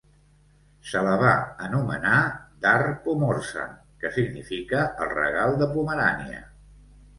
Se la va anomenar "Dar Pomorza", que significa "el regal de Pomerània".